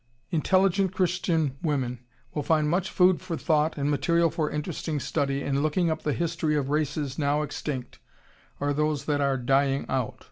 Intelligent Christian women will find much food for thought and material for interesting study in looking up the history of races now extinct or those that are dying out.